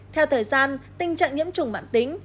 theo thời gian tình trạng nhiễm trùng mạng tính